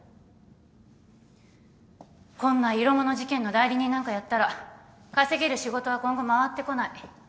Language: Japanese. こんな色物事件の代理人なんかやったら稼げる仕事は今後回ってこない。